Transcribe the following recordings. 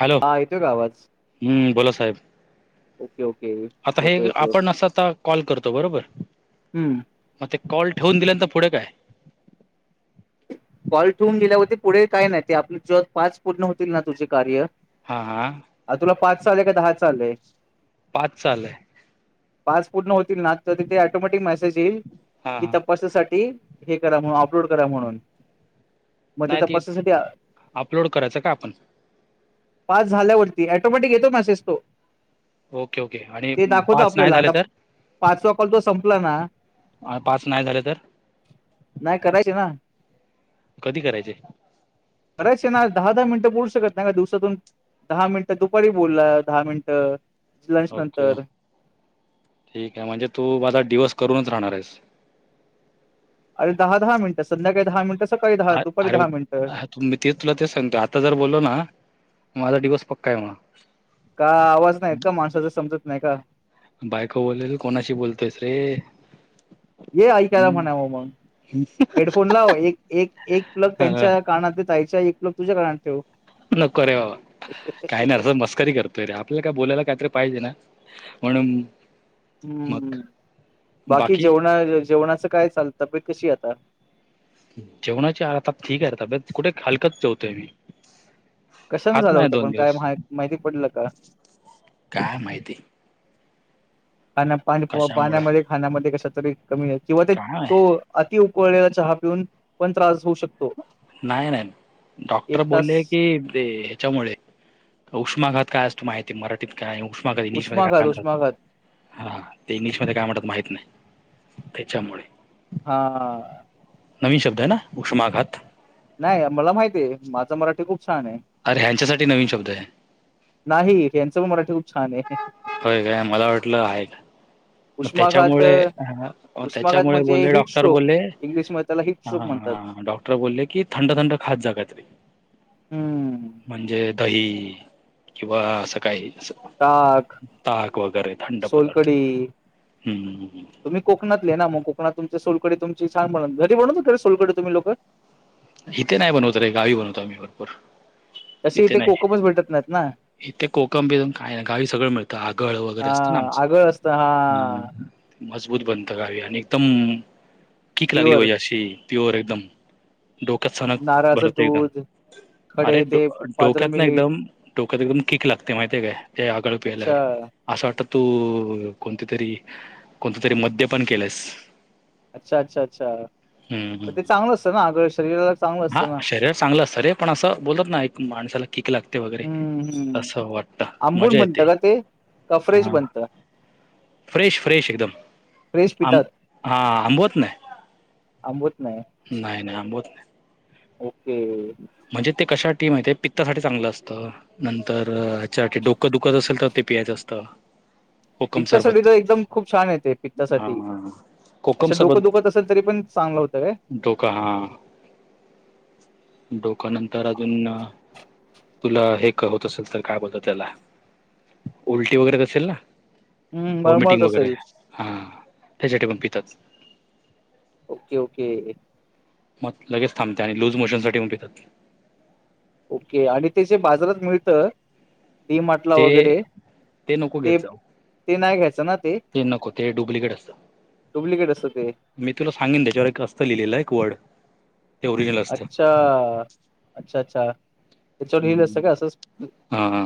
Hello हा येतोय का आवाज? हम्म बोला साहेब. ओके ओके आता हे येतोय येतोय आपण अस आता कॉल करतो बरोबर हम्म. मग ते.? कॉल ठेवून दिल्यानंतर पुढे काय.? कॉल ठेवून दिेल्यावरती पुढे काय नाही ते आपले ज पाच पूर्ण होतील ना तुझे कार्य. हा -हा. आता तुला पाच आलाय का दहाच अलाय. पाचच आलय पाच पूर्ण होतील ना तर तिथे अटोमॅटिक मेसेज येईल हां कि हां तपासासाठी हे करा म्हणून अपलोड करा म्हणून [unintelligible] मग ते नाही त तपासासाठी अपलोड करायचं का आपण. पाच झाल्यावरती ऍटोमॅटिक येतो मेसेज तो. ओके ओके आणि ते दाखवत पाच नाही आपल्याला झाले आता तर पाचवा कॉल तो संपला ना. पाच नाही झाले तर? कधी करायचे बरेच ना आ दहा दहा मिनटे बोलु श नाही का दिवसातून दहा मिनिटं दुपारी बोलला दहा मिनिटं लंच ओके. नंतर ठीक केय म्हणजे तू माझा डिवर्स करून राहणार हाईस. अरे, दहा -दहा मिनटात संध्याकाळी दहा मिनिटं सकाळी दहा अ दुपारी अरे दहा मिनिटं मी ते तुला तेच सांगतो. आता जर बोललो ना माझा डिओस पक्का हाय मग. का आवाज नाहीत का माणसाच समजत नाही का? बायक बोलेल कोणाशी बोलतोयस रे. ये ऐकायला हम्म. म्हणाव मग. हेडफोन लाव एक, एक, एक प्लग हा, हा. त्यांच्या कानात ताईच्या एक प्लग तुझ्या कानात ठेव. नको रे बाबा काही नाही अर् मस्करी करतोय रे आप - - आप का बोलायला काहीतरी पाहिजे ना म्हणून मग हम्म. बाकी जेवणा जेवणाचं काय चालत? तपे - - कशी आता? जेवणाची आ आता ठीक आहे तबेत कुठे हलकत जेवतोय मी. कशानं खात झालं नाही होतं दोन पण काय दिवस, माहि माहिती पडलं का काय माहिती. ख पाणी कशामुळे पाण्यामध्ये खाण्यामध्ये कशातरी कमी आहे किंवा ते काय तो अति - - कोळळेला चहा पिऊन पण त्रास होऊ शकतो. नाही, नाही. एक डॉक्टर तास बोलले की ह्याच्यामुळे - - उष्माघात काय असतो माहिती मराठीत काय उष्मा क इंग्लिश मध्ये उष्माघात काय म्हणतात उष्माघात हा ते इंग्लिश मध्ये काय म्हणतात माह नाही. त्याच्यामुळे हा. तय ना उष्माघात. नाही. मला माहितीए. माझं मराठी खूप छान ये. अरे ह्यांच्यासाठी नवीन शब्द आहे नाही. यांच पण मराठी खूप छानये. होय काय. मला वाटलं आहे काय. मग उष्माघात त्याच्यामुळे, उष्माघात त्याच्यामुळे म्हणजे बोले हिट डॉक्टर स्ट्रोक बोलले इंग्लिशमध्ये त्याला हिट ह स्ट्रोक म्हणतात. हा डॉक्टर बोलले की थंड थंड खात जा काहितरी. हम्म म्हणजे दही किंवा असं काही - - ताक, थंड पदार्थ. सोलकडी. हम्म. तुम्ही कोकणातले ना मग कोकणातून - - सोलकडी तुमची छान बन घरी बनवता कारे सोलकडी तुम्ही लोक? इथे नाही बनवत रे गावी बनवतो. आमी भरपूर. तसे इथे कोकमच भेटत नाहीत ना. इथे कोकम बीजन काय नाही गावी सगळं मिळतं आगळ हा वगैरे असतं ना आगळ असतं आमचं. हा मजबूत बनतं गावी आणि एकदम कीक लागली प्युअर म्हजे अशी प्युअर एकदम डोक्यात सनक नारळाचं भरते एकदम. दूध. अरे खडे ते पांढरं डोक्यात ना मीठ एकदम डोक्यात एकदम कीक लागते माहितीय काय ते आगळ अच्छा पियल्यावर. असं वाटतं तू कोणती तरी, कोणते तरी मद्य पण केलायस. अच्छा, अच्छा, अच्छा. ते हम्म. चांगलं असतं ना आगळ शरीराला चांगलं हा असतं ना शरीर चांगलं असत रे पण असं बोलत ना एक माणसाला ठिक लागते वगैरे हम्म हम्म असं वाटत मजा येते. कफरेश हा बनत. फ्रेश फ्रेश एकदम आम हा आंबवत नाही. अंबवत नाही. नाही नाही आबवत नाही. ओके म्हणजे ते कशासाठीी माहितीय पित्तासाठी चांगलं असतं नंतर हच्यासाठी डोकं दुखत असेल तर. ते प्यायच असत. पित्तासाठी तर एकदम खूप छान येते हा पित्तासाठी कोकम अच्छा डोकं सरबत दुखत असेल तरी पण चांगलं होतं काय? डोका डोका् नंतर अजून न तुला हे होत असेल तर काय बोल त्याला उलटी वगैरे असेल ना.. हम्म मळमळत व्हॉमिटिंग वगैरे असेल हा त्याच्या पण पितात.. ओके ओके. मग लगेच थांबते आणि लूज मोशन साठी म पितात ओके आणि ते जे बाजारात मिळत. डीमाटला ते वगैरे नको घेत ते जाऊ ते नाही घयच. ते नको ते डुप्लिकेट असत. डुप्लिकेट असतं ते मी तुला सांगेन त्याच्यावर एक असतं लिहिलेलं एक वड अच्छा अच्छा अच्छा! त्याच्यावर लिहिलं असतं का असंच हम् हा हा.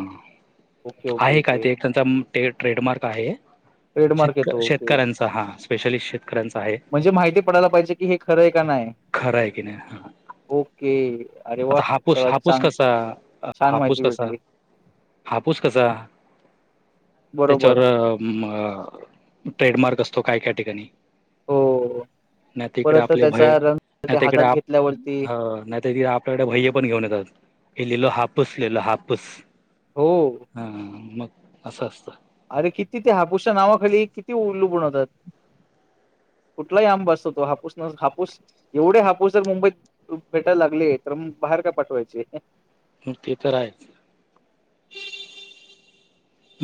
ओके ओके आहे काय ओके ते त्यांचा ट्रेडमार्क आहे. ट्रेडमार्क शेत येतो ओके. शेतकऱ्यांचा हा स्पेशलिस्ट शेतकऱ्यांचा आहे. म्हणजे माहिती पडायला पाहिजे की हे खरं आहे का नाही. खरा आहे क नाही हां. ओके. अरे वाह! आता हापूस चला हापूस छान कसा छान हापूस माहिती कसा. भेटली. हापूस कसा. बरोबर. त्याच्यावर अ ट्रेडमार्क असतो काय काय ठिकाणी. हो. नाही तकडे परत आपले भय त्याचा रंग नाही ते तकडे हातात आप घेतल्यावरती नाही तडे आपल्याकडे भय ते पण घेऊन येतात हे हो. [unintelligible] असं असतं. अरे किती ते हापूसच्या नावाखाली किती उलुबनवतात. कुठलाही आमब बसतो हापूस हापूस एवढे हापूस जर मुंबईत भेटायला लागले तर. बाहेर का पाठवायचे. मग ते तर आहे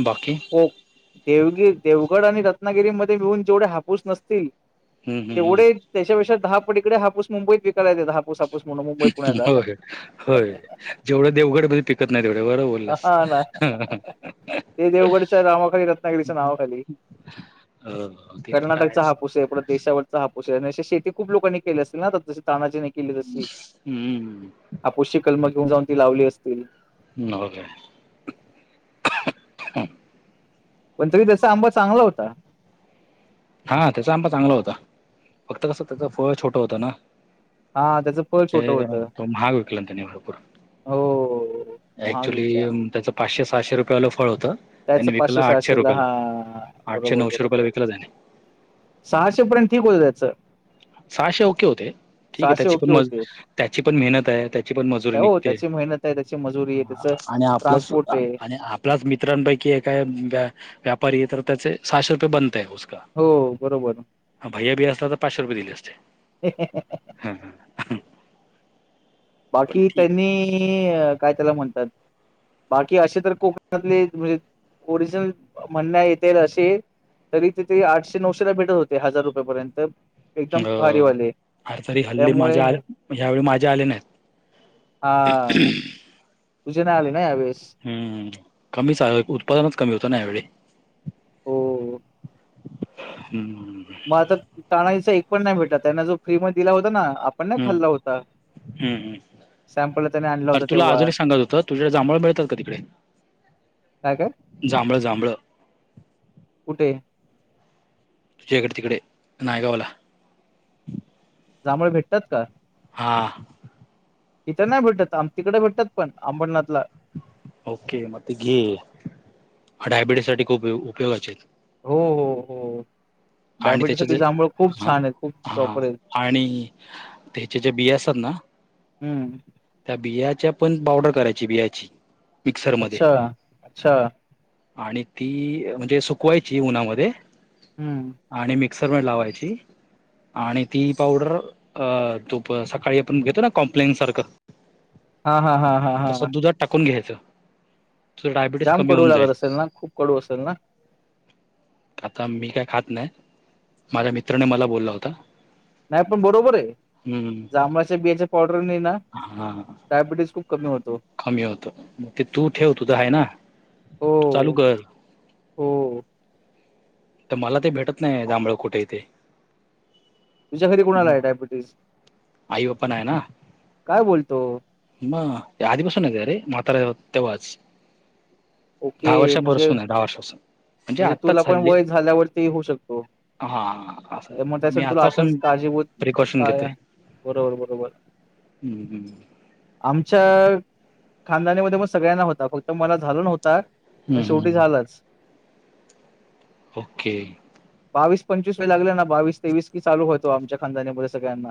बाकी. देवगि देवगड आणि रत्नागिरीमध्येध्ये मिळून जेवढे हापूस नसतील. हम्म हम्म तेवढे त्याच्यापेक्षा दहा पडीकडे हापूस मुंबईत विकायला येते दहापूस आपण. होय होय जेवढं देवगडमध्ये पिकत नाही तेवढ बरं बोललंस. हां हा ना. हा. ते देवगडच्या नावाखाली रत्नागिरीच्या नावाखाली. हो ते तर कर्नाटकचा आहेच हापूसे, पुढ देशावरचा हापूसे. अन अशे शेती खूप लोकांनी के असतील ना. जस तानाजीने केली तशी, हम्म आपोशी कलम घेऊन जाऊन ती लावली असतील. नव्ह का? पण तरी त्याचा आंबा चांगला होता. हा त्याचा आंबा चांगला होता, फक्त कस त्याच फळ छोटं होतं ना. हा त्याचं फळ छोटं होतं महाग विकलाना त्याने भरपूर. हो महाग ऍक्च्युली विकला त्याच पाचशे सहाशे रुपयाेला फळ होत, त्याच त्यांनी विकलं पाचशे आठशे सहाशेला रुपयाला, हा आठशे बरोबर नऊशे रुपयाला बरोबर विकलं त्याने. सहाशे पर्यंत ठीक होत त्याचं. सहाशे ओके होते. ठीके सहाशे त्याची ओके पण होते त्याची पण मेहनते, त्याची पण मजुरी हो निघते. त्याची मेहनत आहे त्याची मजुरी आहे त्याच आणि आपलंच, ट्रान्सपोर्ट आहे आणि आपलाच मित्रांपैकी एक काय व्यापारीये तर त्याचे सहाशे रुपये बंद उसका, हो बरोबर भैया भी असला त पाचशे रुपये दिले ह ह. बाकी त्यांनी काय त्याला म्हणतात. बाकी असे तर कोकणातले म्हणजे ओरिजिनल म्हणण्यात येतील असे, तरी तिथे, आठशे-नऊशे ला भेटत होते, हजार रुपये पर्यंत. अ आरे तरी हल्ली त्यामुळे माझे ह्यावेेळी माझे आले नाहीत. हा तुझे नाही आले ना, ह्यावेळी. हम्म कमीच आहे, उत्पादनच कमी होतं ना यावेळी. हो. हम्म. मग आता ताणाईच एक पण नाही भेटत आहे जो फ्री मध्ये दिला होता ना आपण नाही हम्म खाल्ला हम्म होता हम्म सॅम्पलला त्याने आणला अरे होता तुला तेव्हा अजुन एक सांगत होतं तुझ्या कडे जांभळ मिळतात का तिकडे काय काय जांभळं-जांभळं कुठे तुझ्याकडे तिकडे नायगावला जांभळ भेटतात का हा इथ नाही भेटत आम तिकडे भेटतात पण अंबरनाथला ओके मग ते घे डायबिटीस साठी खूप उपयोगाचे आहेत हो-हो-हो आणि त्याचे जे हं हा प्रॉपर आहेत आणि त्याचे जे बिया असतात ना हम्म त्या बियाच्या पण पावडर करायची बियाची मिक्सरमध्ये अच्छा- अच्छा आणि ती म्हणजे सुकवायची उन्हामध्ये हम्म आणि मिक्सर मध्ये लावायची आणि ती पावडर अ तो सकाळी आपण घेतो ना कॉम्प्लेन सारखं हा हा हा हा हा तसं दुधात टाकून घ्यायचं तुझं डायबिटीस जाम कमी कडू होऊन जाईल लागत असेल ना खूप कडू असेल ना आता मी काय खात नाही माझ्या मित्राने मला बोलला होता नाही पण बरोबर आहे हम्म जांभळाच्या बियाच्या पावडरने ना हां डायबिटीज खूप कमी होतो कमी होत ते तू ठेव तुझं आहे ना हो तू चालू कर हो तर मला ते भेटत नाही जांभळ कुठे आहे तेे तुझ्या घरी कोणाला आहे डायबेटीस आई पप्पा ना आहे ना बोलतो म आधी पासून आहे कारे म्हातारे आहे तेव्हाच दहा ओके वर्षा म्हणजे पासून आहे दहा वर्षा पासून म्हणजे आत्ताच हल्ली झाल्या वरती होऊ शकतो हा असं आहे त्या मग मी त्यासाठी तुला आतापासून आताच काळजीभुत प्रिकॉशन घेतोय बरोबर- बरोबर हम्म, हम्म. आमच्या खानदाणा मध्ये मग सगळ्यांना होता फक्त मला झाला नव्हता पण हम्म, शेवटी हम्म. झालंच ओके बावीस -पंचवीस वय लागले ना बावीस- तेवीस की चालू होतो आमच्या खानदाणा मध्ये सगळ्यांना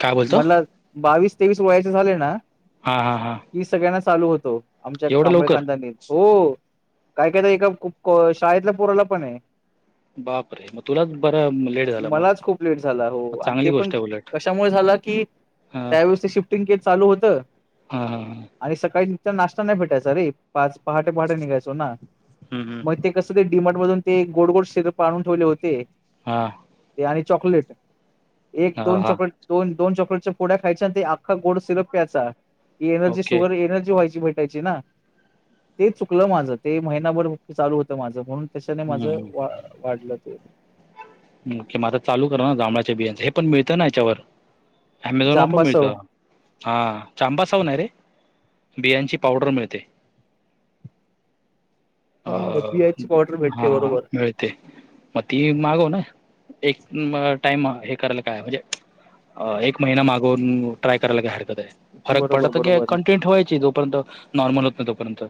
काय बोलतो म्हणला बावीस तेवीस वयाचे झाले ना हा हा हा की सगळ्यांना चालू होतो आमच्या एवढं कांबळे लवकर खानद्यानी हो काय कायता एका शाळेतला पोराला पण आहे बापरे मग तुलाच बरं लेट झालं मग मलाच खूप लेट झाला हो मग आणि ते चांगली पण गोष्ट आहे उलट कशामुळे झाला की हा त्या व्यळेथ शिफ्टिंग केट चालू होतं हा ह च्या नाश्ता नाही भेटायचा रे पाच पहाटे पहाटे निघायचो ना हा मग ते कस ते डीम मधून ते गोड गोड शष्र पाळून ठेवले होते हा ते आणि चॉकलेट एक हा दोन हा चॉकलेट दोन दोन चॉकलेट गोड्या खायच्या ते अख गोड सिरप प्याचा एनर्जी ओके शुगर एनर्जी व्हायची भे ते चुकलं माझ ते महिभर चालू होत माझ म्हणून त्याच्याने माझं हम्म वा वाढलं ते किं म आता चालू करा ना जांभळाच्या बियांच हे पण मिळतं ना याच्यावर अमेझॉनवर पण मिळत जांबासव हा चांबा साह नाही आहे रे बियांची पावडर मिळते [unintelligible] अ हा बियाची पावडर भेटते हा बरोबर मिळते मग ती मागव ना एक टाइम एक करायला काय म्हणजे एक महिना मागवून ट्राय करायला काय हरकत आहे फरक पडला बरोबर तर की बरोबर कंटेंट ववायची जोपर्यंत नॉर्मल होत नाही तोपर्यंत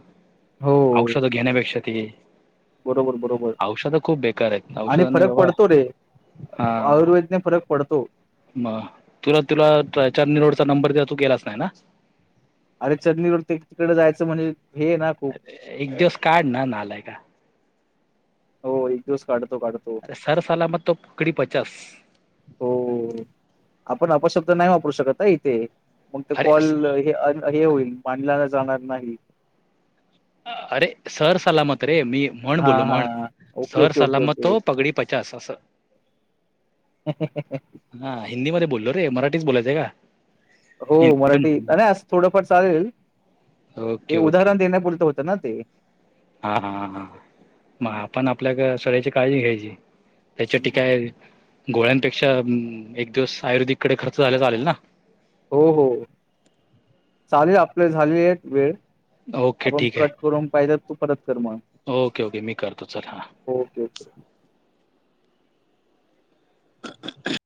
हो औषध घ घेण्या अपेक्षा त बरोबर बरोबर औषधं खूप बेकार आहेत औषध आणि नाही फरक बाबा पडतो रे हा आयुर्वेदने फरक पडतो मग तुला तुला चनी रोडचा नंबर देत तू केलाच नाही ना अरे चटणीवर तिकडे जायचं म्हणजे हे आहे ना खूप अर एक दिवस काढ ना नालायका हो एक दिवस काढत तो अरे सर सलामत तो पकडी पचास हो तै पण अपशब्द नाही वापरू शकत इथे मग ते अरे कॉल होईल मानला जाणार नाही अरे सर सलामत रे मी म्हण हा बोलो हा म्हण ओके सर ओके ओके सलामत ओके पगडी पचास अस हा हिंदी मध्ये बोललो रे मराठीच बोलायचंय का हो हिंदी मराठी पण नाही आ थोडंफार चालेल ते ओके ओके उदाहरण देण्या बोलत होत ना ते हा हा हां मग आपण आपल्या शरीराची काळजी घ्यायची त्याच्याी काय गोळ्यांपेक्षा एक दिवस आयुर्वेदिक कडे खर्च झाला चालेल ना हो हो चालेल आपले झाले एक वेळ ओके आपण ठीक कट आहे करून पाहिजे तू परत कर मग ओके ओके मी करतो चल हा ओके ओके. [unintelligible]